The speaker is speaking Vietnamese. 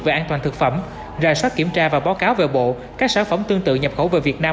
về an toàn thực phẩm ra soát kiểm tra và báo cáo về bộ các sản phẩm tương tự nhập khẩu về việt nam